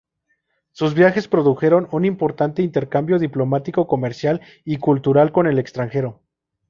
Sus viajes produjeron un importante intercambio diplomático, comercial y cultural con el extranjero.